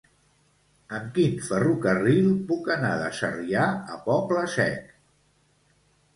Amb quin ferrocarril puc anar de Sarrià a Poble Sec?